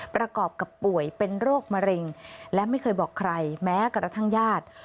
ประกอบกับป่วยเป็นโรคมะเร็งและไม่เคยบอกใครแม้กระทั่งญาติ